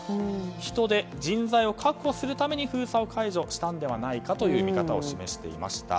人手、人材を確保するために封鎖を解除したのではないかという見方を示していました。